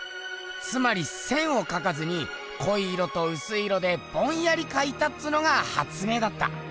つまり線を描かずにこい色とうすい色でぼんやり描いたっつうのがはつ明だった。